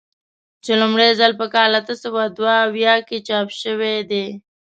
چې لومړی ځل په کال اته سوه دوه اویا کې چاپ شوی دی.